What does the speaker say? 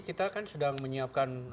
kita kan sedang menyiapkan